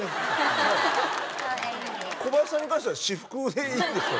コバヤシさんに関しては私服でいいんですか？